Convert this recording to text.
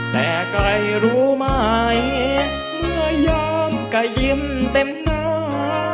แต่ใกล้รู้ไม่เมื่อย้ำกะยิ้มเต็มนา